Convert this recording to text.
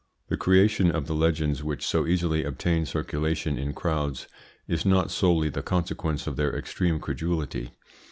The creation of the legends which so easily obtain circulation in crowds is not solely the consequence of their extreme credulity.